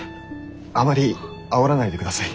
あまりあおらないでください。